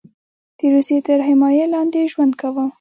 د روسیې تر حمایې لاندې ژوند کاوه.